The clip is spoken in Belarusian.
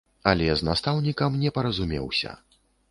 Але з настаўнікам не паразумеўся.